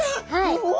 お！